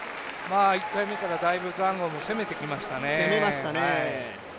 １回目からだいぶザンゴも攻めてきましたね。